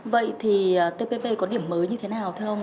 vậy thì tpp có điểm mới như thế nào thưa ông